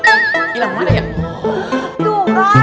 terus kata pak raditya mau motong tangan